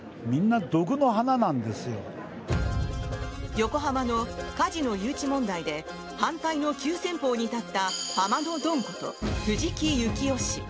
横浜のカジノ誘致問題で反対の急先鋒に立ったハマのドンこと藤木幸夫氏。